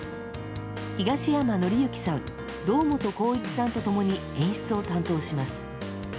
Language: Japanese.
東山紀之さん、堂本光一さんと共に演出を担当します。